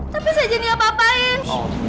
tapi saya jadi apa apain